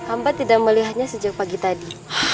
amba tidak melihatnya sejak pagi tadi